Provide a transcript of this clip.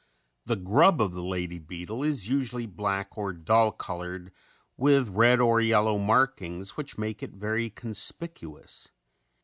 ] The grub of the lady beetle is usually black or dull colored with red or yellow markings which make it very conspicuous.